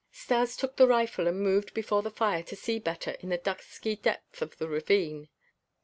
Stas took the rifle and moved before the fire to see better in the dusky depth of the ravine.